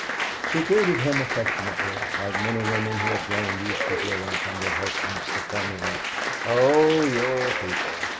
She greeted him affectionately, like many women who have grown used to hearing from their husbands the formula "Oh! your people!"